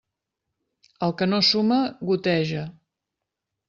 El que no suma, goteja.